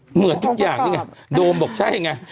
เหมือนทุกอย่างนี่ไงโดมบอกใช่ไง